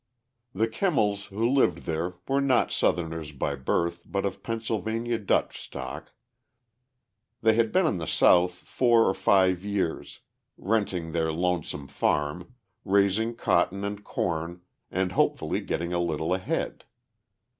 The Kimmels who lived there were not Southerners by birth but of Pennsylvania Dutch stock. They had been in the South four or five years, renting their lonesome farm, raising cotton and corn and hopefully getting a little ahead.